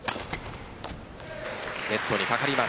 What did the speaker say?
ネットにかかります。